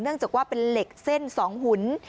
จากว่าเป็นเหล็กเส้น๒หุ่น